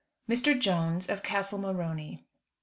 MR. JONES OF CASTLE MORONY.